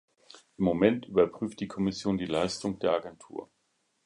Im Moment überprüft die Kommission die Leistung der Agentur.